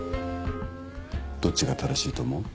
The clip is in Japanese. どっちが正しいと思う？